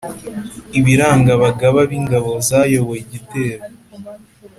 ibiranga abagaba b'ingabo zayoboye igitero